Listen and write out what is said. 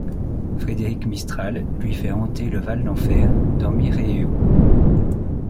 Frédéric Mistral lui fait hanter le Val d’Enfer dans Mireio.